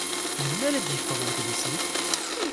Melmi ara d-yeffeɣ wedlis-ik?